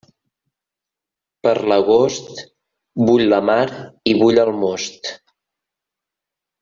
Per l'agost, bull la mar i bull el most.